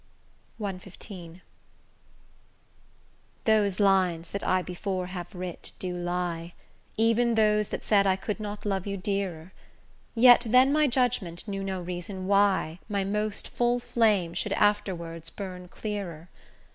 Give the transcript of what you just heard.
CXV Those lines that I before have writ do lie, Even those that said I could not love you dearer: Yet then my judgment knew no reason why My most full flame should afterwards burn clearer.